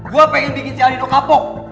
gue pengen bikin si aldino kapok